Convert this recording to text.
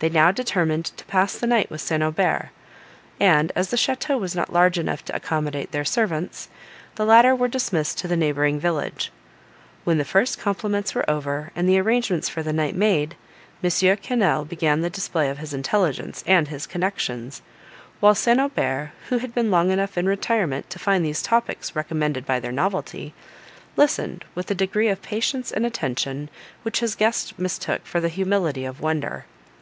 They now determined to pass the night with St. Aubert; and as the château was not large enough to accommodate their servants, the latter were dismissed to the neighbouring village. When the first compliments were over, and the arrangements for the night made M. Quesnel began the display of his intelligence and his connections; while St. Aubert, who had been long enough in retirement to find these topics recommended by their novelty, listened, with a degree of patience and attention, which his guest mistook for the humility of wonder.